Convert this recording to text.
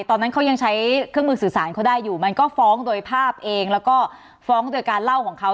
ตอนนั้นเขายังใช้เครื่องมือสื่อสารเขาได้อยู่มันก็ฟ้องโดยภาพเองแล้วก็ฟ้องโดยการเล่าของเขา